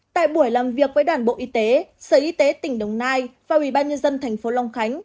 tại buổi làm việc với đoàn bộ y tế sở y tế tỉnh đồng nai và ubnd tp hcm